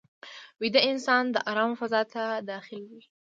ویده انسان د آرام فضا ته داخل وي